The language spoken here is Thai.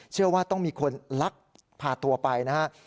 เชื่อว่าต้องมีคนลักพาตัวไปนะครับ